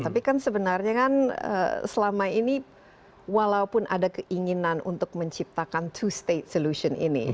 tapi kan sebenarnya kan selama ini walaupun ada keinginan untuk menciptakan two state solution ini